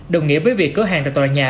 đồng nghĩa với việc cửa hàng tại tòa nhà